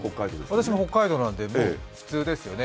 私も北海道なので、普通ですよね。